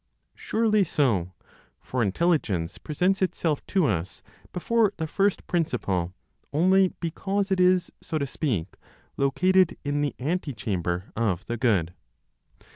Surely so, for Intelligence presents itself to us before the first Principle only because it is, so to speak, located in the antechamber of the Good.